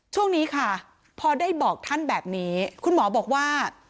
ช่วงนี้ค่ะพอได้บอกท่านแบบนี้คุณหมอบอกว่า